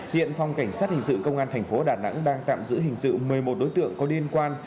hiện phòng cảnh sát hình sự công an thành phố đà nẵng đang tạm giữ hình sự một mươi một đối tượng có liên quan